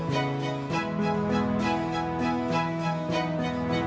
hẹn gặp lại